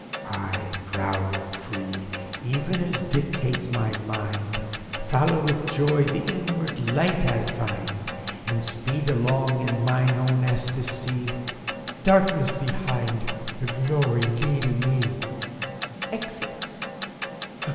I, proud and free, even as dictates my mind. Follow with joy the inward light I find, And speed along, in mine own ecstasy. Darkness behind, the Glory leading me ! [Exit.